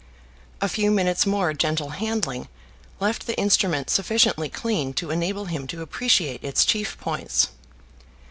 A few minutes' more gentle handling left the instrument sufficiently clean to enable him to appreciate its chief points.